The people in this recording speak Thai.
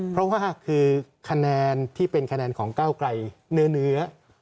เพราะว่าคือคะแนนที่เป็นคะแนนของก้าวไกลเนื้อ